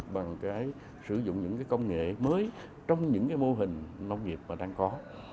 bằng cái sử dụng những cái công nghệ mới trong những cái mô hình nông nghiệp mà đang có